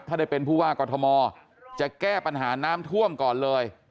ถ้าได้เป็นผู้ว่ากอทมจะแก้ปัญหาน้ำท่วมก่อนเลย